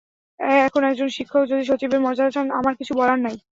এখন একজন শিক্ষক যদি সচিবের মর্যাদা চান, আমার কিছু বলার নাই।